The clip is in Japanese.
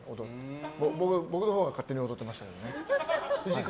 僕のほうが勝手に踊ってましたけどね。